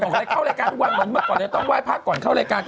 ออกเลยเข้ารายการทุกวันเหมือนเมื่อก่อนเลยต้องว่ายภาคก่อนเข้ารายการ